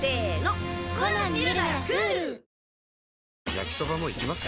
焼きソバもいきます？